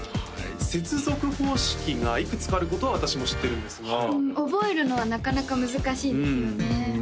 接続方式がいくつかあることは私も知ってるんですが覚えるのはなかなか難しいですよね